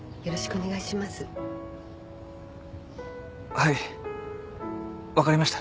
はい分かりました。